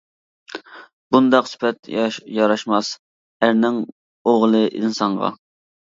بۇنداق سۈپەت ياراشماس، ئەرنىڭ ئوغلى ئىنسانغا.